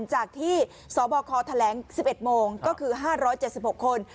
จากที่สบคแถลง๑๑โมงก็คือ๕๗๖คน